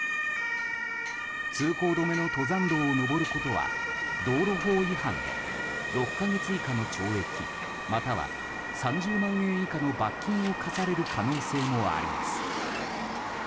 通行止めの登山道を登ることは道路交通法違反で６か月以下の懲役または３０万円以下の罰金を科される可能性もあります。